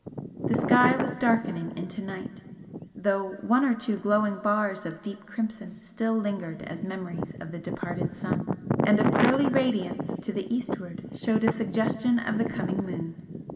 The sky was darkening into night, though one or two glowing bars of deep crimson still lingered as memories of the departed sun and a pearly radiance to the eastward showed a suggestion of the coming moon.